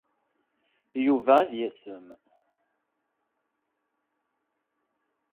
Yuba ad yasem.